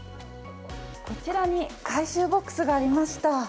こちらに回収ボックスがありました。